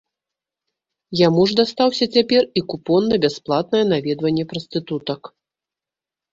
Яму ж дастаўся цяпер і купон на бясплатнае наведванне прастытутак.